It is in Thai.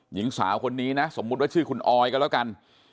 หญิงสาวคนนี้นะสมมุติว่าชื่อคุณออยก็แล้วกัน